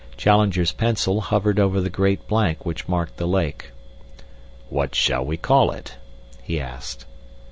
Challenger's pencil hovered over the great blank which marked the lake. "What shall we call it?" he asked.